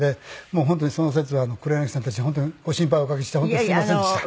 もう本当にその節は黒柳さんたちにご心配おかけして本当にすみませんでした。